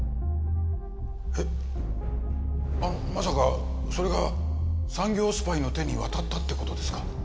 えっまさかそれが産業スパイの手に渡ったって事ですか？